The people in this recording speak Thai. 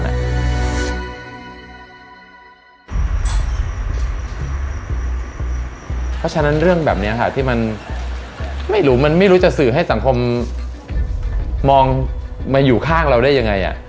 เพราะฉะนั้นเรื่องแบบนี้ค่ะที่มันไม่รู้มันไม่รู้จะสื่อให้สังคมมองมาอยู่ข้างเราได้ยังไง